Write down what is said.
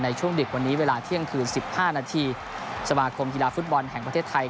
ในช่วงดึกวันนี้เวลาเที่ยงคืน๑๕นาทีสมาคมกีฬาฟุตบอลแห่งประเทศไทย